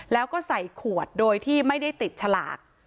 แล้วก็ใส่ขวดโดยที่ไม่ได้ติดฉลาก